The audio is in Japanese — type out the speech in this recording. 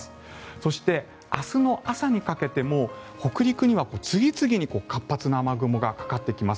そして、明日の朝にかけても北陸には次々に活発な雨雲がかかってきます。